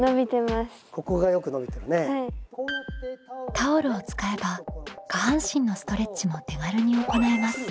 タオルを使えば下半身のストレッチも手軽に行えます。